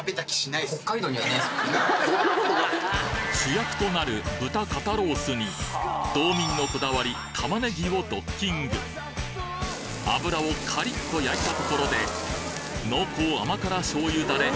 主役となる豚肩ロースに道民のこだわり玉ねぎをドッキング脂をカリッと焼いたところで濃厚甘辛醤油ダレ